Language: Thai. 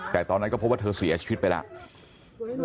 แต่ตอนนั้นก็พบว่าเธอเสียชีวิตไปแล้ว